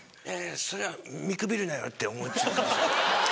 それは見くびるなよ！って思っちゃいます。